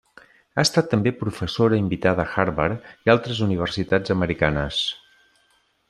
Ha estat també professora invitada a Harvard i altres universitats americanes.